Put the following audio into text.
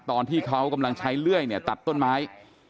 ตอนที่เขากำลังใช้เลื่อยเนี่ยตัดต้นไม้